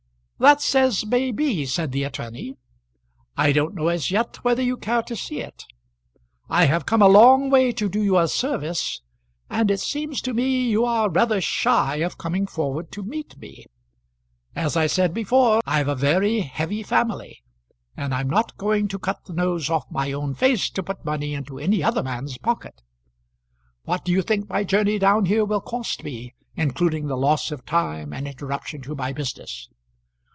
"That's as may be," said the attorney. "I don't know as yet whether you care to see it. I have come a long way to do you a service, and it seems to me you are rather shy of coming forward to meet me. As I said before, I've a very heavy family, and I'm not going to cut the nose off my own face to put money into any other man's pocket. What do you think my journey down here will cost me, including loss of time, and interruption to my business?"